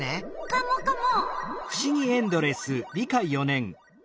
カモカモ。